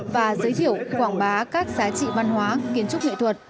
và giới thiệu quảng bá các giá trị văn hóa kiến trúc nghệ thuật